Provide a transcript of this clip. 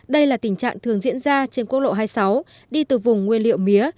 đây là tình trạng thường diễn ra trên quốc lộ hai mươi sáu đi từ vùng nguyên liệu mía